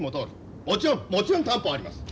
もちろんもちろん担保はあります。